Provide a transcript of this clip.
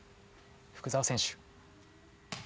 福澤選手。